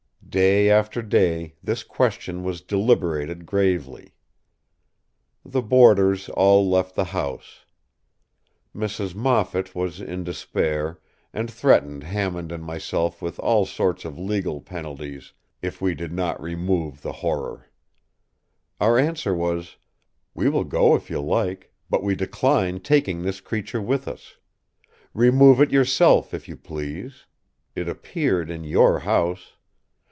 Day after day this question was deliberated gravely. The boarders all left the house. Mrs. Moffat was in despair, and threatened Hammond and myself with all sorts of legal penalties if we did not remove the Horror. Our answer was, “We will go if you like, but we decline taking this creature with us. Remove it yourself if you please. It appeared in your house.